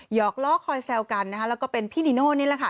อกล้อคอยแซวกันนะคะแล้วก็เป็นพี่นิโน่นี่แหละค่ะ